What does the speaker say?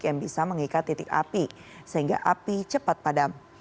yang bisa mengikat titik api sehingga api cepat padam